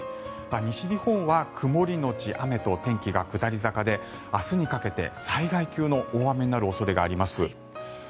西日本は曇りのち雨と転機が下り坂で、明日にかけて災害級の大雨になる恐れがあります。